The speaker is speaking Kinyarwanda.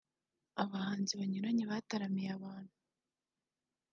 abahanzi banyuranye bataramiye abantu